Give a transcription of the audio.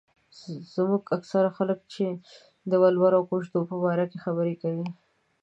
زموږ اکثره خلک چې د ولور او کوژدو په باره کې خبره کوي.